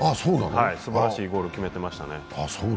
すばらしいゴール、決めてましたね